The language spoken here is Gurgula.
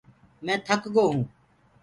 مي ٿڪ گو هون۔